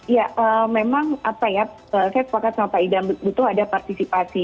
ya memang saya sepakat sama pak gidam butuh ada partisipasi